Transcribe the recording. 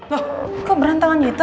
wah kok berantakan gitu